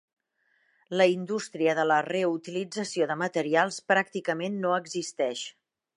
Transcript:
La indústria de la reutilització de materials pràcticament no existeix.